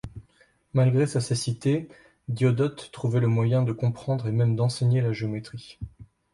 Malgré sa cécité, Diodote trouvait le moyen de comprendre et même d'enseigner la géométrie.